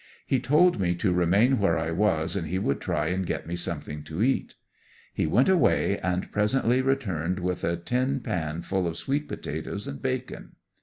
He told me to remain where I was and he would try and get me something to eat. He went away and presently returned with a tin pan full of sweet potatoes and bacon.